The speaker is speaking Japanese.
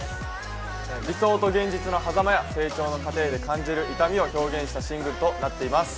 理想と現実の狭間や、成長の過程で感じる「痛み」を表現したシングルとなっています。